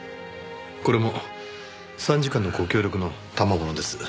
これも参事官のご協力のたまものです。